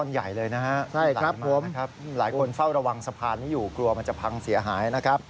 หลายคนเฝ้าระวังสะพานไม่อยู่กลัวมันจะพังเสียหายนะครับ